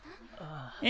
え